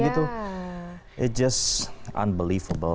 itu tidak bisa dipercaya